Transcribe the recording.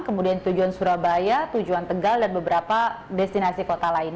kemudian tujuan surabaya tujuan tegal dan beberapa destinasi kota lain